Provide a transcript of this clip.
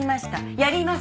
やります。